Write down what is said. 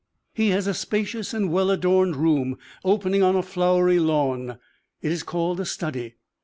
He has a spacious and well adorned room opening on a flowery lawn; it is called a study.